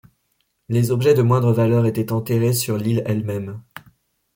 Les objets de moindre valeur étaient enterrés sur l'île elle-même.